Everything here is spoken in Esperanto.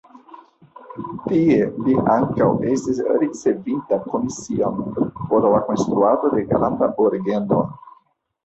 Tie li ankaŭ estis ricevinta komision por la konstruado de granda orgeno.